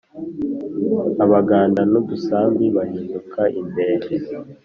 Abaganda n’udusambi bahinduka impehe.